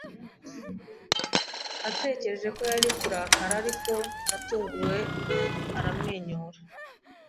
Natekereje ko yari kurakara ariko, natunguwe, aramwenyura.